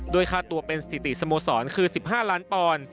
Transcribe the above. ค่าตัวเป็นสถิติสโมสรคือ๑๕ล้านปอนด์